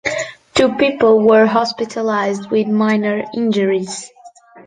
Two people were hospitalized with minor injuries.